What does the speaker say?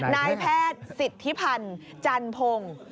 นายแพทย์สิทธิพันธ์จันพงศ์